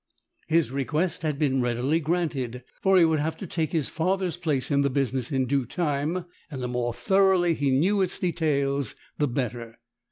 His request had been readily granted, for he would have to take his father's place in the business in due time, and the more thoroughly he knew its details the better.